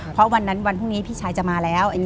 เพราะวันนั้นวันพรุ่งนี้พี่ชายจะมาแล้ว